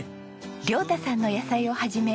亮太さんの野菜を始め